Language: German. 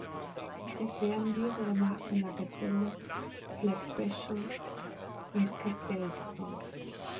Es werden Biere der Marken "La Gazelle", "Flag Speciale" und "Castel" gebraut.